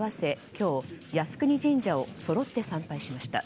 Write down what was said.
今日、靖国神社をそろって参拝しました。